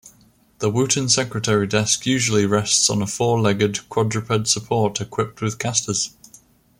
The Wooton secretary desk usually rests on a four-legged quadruped support equipped with casters.